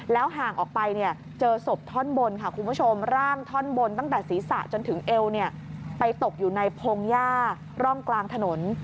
ห่างออกไปเจอศพท่อนบนค่ะคุณผู้ชมร่างท่อนบนตั้งแต่ศีรษะจนถึงเอวไปตกอยู่ในพงหญ้าร่องกลางถนน